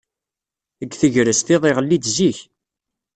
Deg tegrest, iḍ iɣelli-d zik.